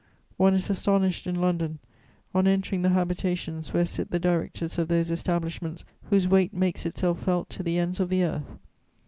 One is astonished, in London, on entering the habitations where sit the directors of those establishments whose weight makes itself felt to the ends of the earth.